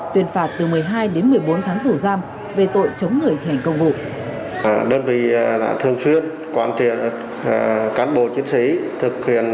tuyên phạt từ một mươi hai đến một mươi bốn tháng tù giam về tội chống người thi hành công vụ